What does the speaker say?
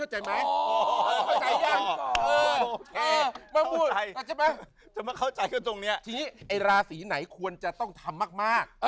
เห็นไหม